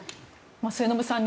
末延さん